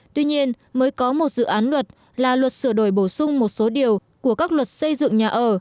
tuy nhiên mới có một dự án luật là luật sửa đổi bổ sung một số điều của các luật xây dựng nhà ở